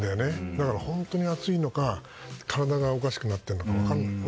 だから、本当に暑いのか体がおかしくなっているのか分からない。